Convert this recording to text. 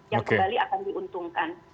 yang kembali akan diuntungkan